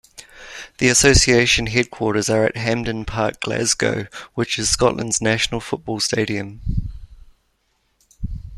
The association headquarters are at Hampden Park, Glasgow, which is Scotland's national football stadium.